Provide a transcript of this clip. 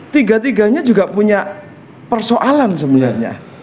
tiga tiganya juga punya persoalan sebenarnya